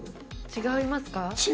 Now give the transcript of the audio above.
違います！